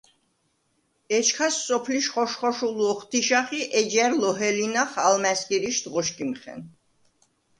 ეჩქას სოფლიშ ხოშ-ხოშოლუ ოხთიშახ ი ეჯჲა̈რ ლოჰელინახ ალმა̈სგირიშდ ღოშგიმხენ.